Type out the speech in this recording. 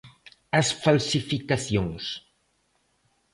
As falsificacións.